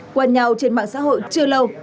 qua nhau trên mạng xã hội chưa lâu